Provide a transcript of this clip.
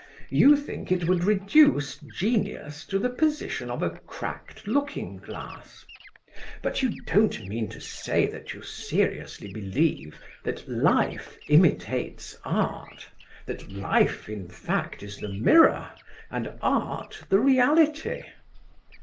You think it would reduce genius to the position of a cracked looking glass. But you don't mean to say that you seriously believe that Life imitates Art, that Life in fact is the mirror, and Art the reality?